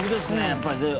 やっぱりね。